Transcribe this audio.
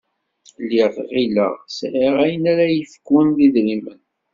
Lliɣ ɣilleɣ sεiɣ ayen ara y-ikfun d idrimen.